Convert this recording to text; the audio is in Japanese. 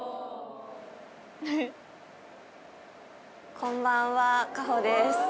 こんばんは夏帆です。